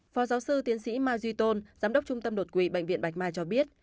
phó giáo sư tiến sĩ mai duy tôn giám đốc trung tâm đột quỵ bệnh viện bạch mai cho biết